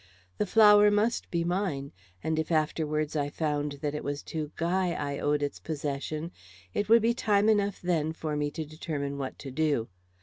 The flower must be mine, and if afterwards I found that it was to Guy I owed its possession, it would be time enough then for me to determine what to do.